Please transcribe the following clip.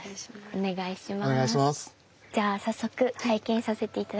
お願いします。